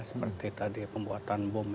seperti tadi pembuatan bom